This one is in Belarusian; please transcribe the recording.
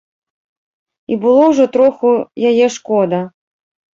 І было ўжо троху яе шкода.